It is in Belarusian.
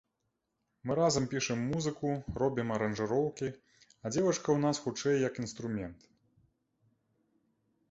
Мы разам пішам музыку, робім аранжыроўкі, а дзевачка ў нас хутчэй як інструмент.